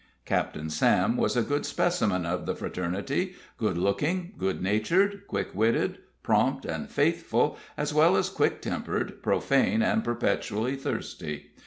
Captain Sam was a good specimen of the fraternity good looking, good natured, quick witted, prompt, and faithful, as well as quick tempered, profane, and perpetually thirsty.